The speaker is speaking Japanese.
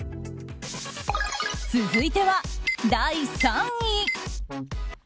続いては第３位。